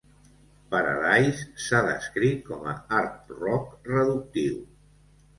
"Paradise" s'ha descrit com a art rock reductiu.